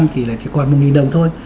thì là chỉ còn một đồng thôi